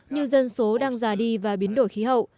như dân số đang già đi và biến đổi khí hậu